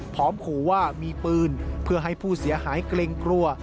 ขู่ว่ามีปืนเพื่อให้ผู้เสียหายเกรงกลัว